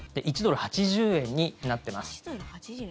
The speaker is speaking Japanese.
１ドル＝８０円になってます。